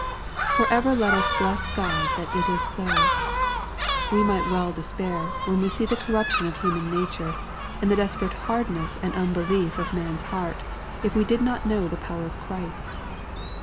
Forever let us bless God that it is so 1 We might well despair, when we see the corruption of human nature, and the desperate hardness and unbelief of man's heart, if we did not know the power of Christ.